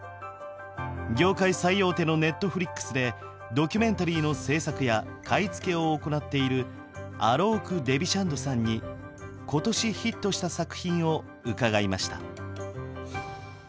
業界最大手のＮｅｔｆｌｉｘでドキュメンタリーの制作や買い付けを行っているアローク・デヴィシャンドさんに今年ヒットした作品を伺いました。